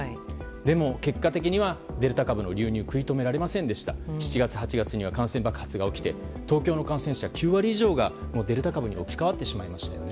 でも結果的にはデルタ株の流入を７月８月には感染爆発が起きて東京都の感染者はほとんどデルタ株に置き換わってしまいましたよね。